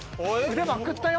腕まくったよ